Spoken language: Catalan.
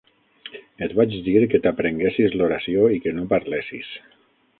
Et vaig dir que t'aprenguessis l'oració i que no parlessis.